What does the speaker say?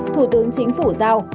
thủ tướng chính phủ giao